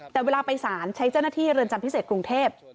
แต่เวลาไปสารใช้เจ้าหน้าที่เรือนจำพิเศษกรุงเทพ